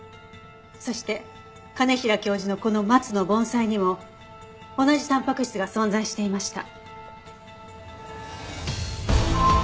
そして兼平教授のこのマツの盆栽にも同じたんぱく質が存在していました。